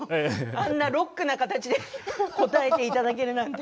あんなロックな形で応えていただけるなんて。